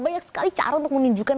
banyak sekali cara untuk menunjukkan